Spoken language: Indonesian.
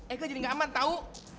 eike jadi gak aman tau